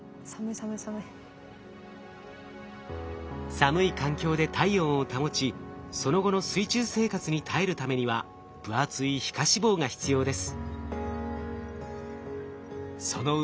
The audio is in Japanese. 寒い環境で体温を保ちその後の水中生活に耐えるためには分厚い皮下脂肪が必要です。